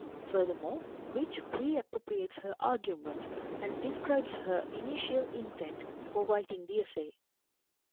Furthermore, Rich re-appropriates her argument and describes her initial intent for writing the essay.